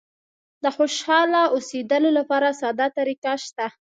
د خوشاله اوسېدلو لپاره ساده طریقه شته.